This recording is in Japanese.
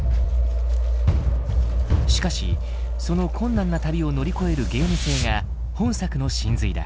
しかしその困難な旅を乗り越えるゲーム性が本作の神髄だ。